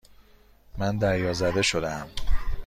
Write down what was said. من دریازده شدهام.